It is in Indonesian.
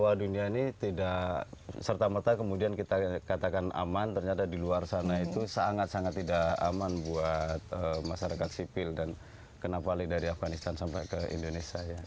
bahwa dunia ini tidak serta merta kemudian kita katakan aman ternyata di luar sana itu sangat sangat tidak aman buat masyarakat sipil dan kena pali dari afganistan sampai ke indonesia ya